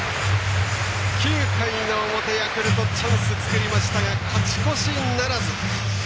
９回の表、ヤクルトチャンス作りましたが勝ち越しならず。